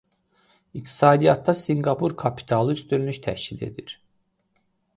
İqtisadiyyatda Sinqapur kapitalı üstünlük təşkil edir.